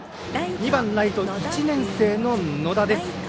２番ライトの１年生の野田です。